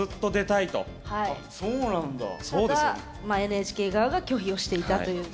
ただＮＨＫ側が拒否をしていたという。